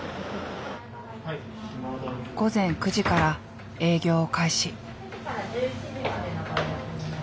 午前９時から営業を開始。